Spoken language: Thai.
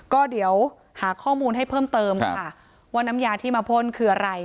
ก็เดี๋ยวหาข้อมูลให้เพิ่มเติมค่ะว่าน้ำยาที่มาพ่นคืออะไร